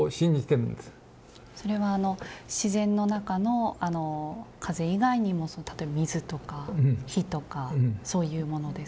それはあの自然の中のあの風以外にも例えば水とか火とかそういうものですか？